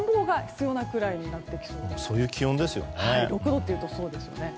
６度というとそうですよね。